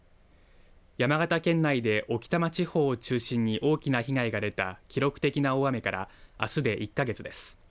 山形県内で置賜地方を中心に大きな被害が出た記録的な大雨からあすで１か月です。